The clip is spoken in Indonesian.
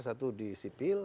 satu di sipil